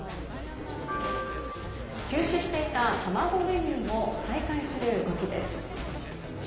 休止していた卵メニューを再開する動きです。